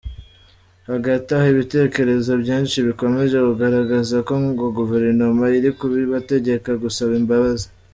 Hagati aho, ibitekerezo byinshi bikomeje kugaragaza ko ngo Guverinoma iri kubibategeka gusaba imbabazi.